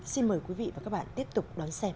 xin mời quý vị và các bạn tiếp tục đón xem